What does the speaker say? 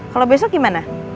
kalau besok gimana